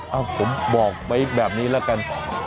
เอ้าผมบอกไว้แบบนี้ละกัน